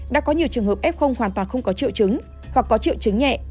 đã có nhiều trường hợp f hoàn toàn không có triệu chứng hoặc có triệu chứng nhẹ